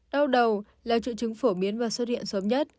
đau đầu là trụ trứng phổ biến và xuất hiện sớm nhất